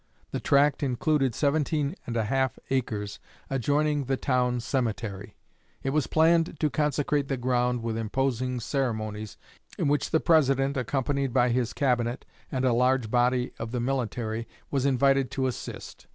The tract included seventeen and a half acres adjoining the town cemetery. It was planned to consecrate the ground with imposing ceremonies, in which the President, accompanied by his Cabinet and a large body of the military, was invited to assist.